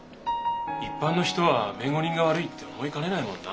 一般の人は弁護人が悪いって思いかねないもんな。